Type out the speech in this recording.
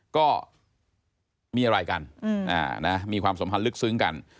ก็มีอะไรกันมีความสัมพันธ์ลึกซึ้งกัน